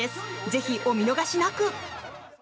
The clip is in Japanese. ぜひお見逃しなく！